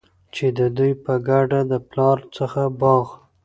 چي د دوي په ګډه د پلار څخه باغ